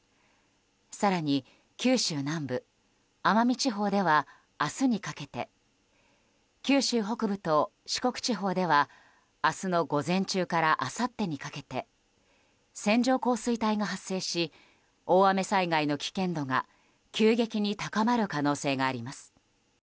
更に九州南部奄美地方では明日にかけて九州北部と四国地方では明日の午前中からあさってにかけて線状降水帯が発生し大雨災害の危険度が急激に高まる可能性があります。